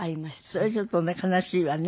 それちょっとね悲しいわね。